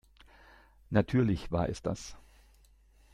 Natürlich war es das.